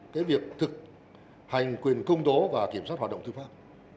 cái việc thực hành quyền công tố và kiểm soát hoạt động tư pháp